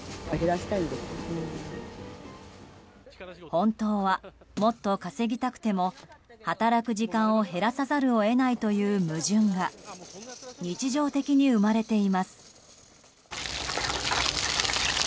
本当は、もっと稼ぎたくても働く時間を減らさざるを得ないという矛盾が日常的に生まれています。